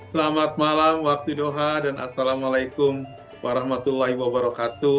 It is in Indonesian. selamat malam waktu doha dan assalamualaikum warahmatullahi wabarakatuh